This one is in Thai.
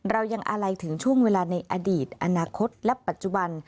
เรายังอาลัยถึงช่วงเวลาในอดีตอนาคตและปัจจุบัน